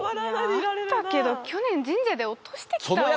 いやあったけど去年神社で落としてきたわよ